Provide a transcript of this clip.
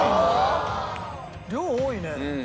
量多いね。